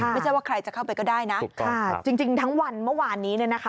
ไม่ใช่ว่าใครจะเข้าไปก็ได้นะค่ะจริงจริงทั้งวันเมื่อวานนี้เนี่ยนะคะ